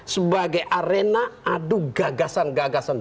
sebagai arena adu gagasan gagasan